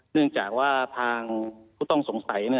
เนื่องจากว่าทางผู้ต้องสงสัย